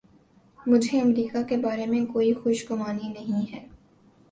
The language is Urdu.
مجھے امریکہ کے بارے میں کوئی خوش گمانی نہیں ہے۔